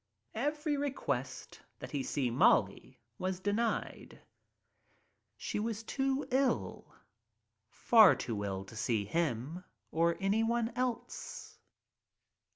Every request that he see Molly was denied. She was too ill, far ? too ill to see him or anyone else.